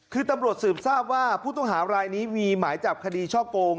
คือตำรวจสืบทราบว่าผู้ต้องหารายนี้มีหมายจับคดีช่อโกง